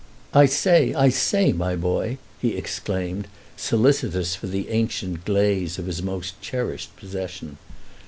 "I say, I say, my boy!" he exclaimed, solicitous for the ancient glaze of his most cherished possession.